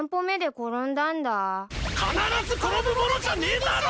必ず転ぶものじゃねえだろう！